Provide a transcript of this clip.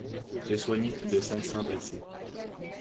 J'ai soigné plus de cinq cents blessés.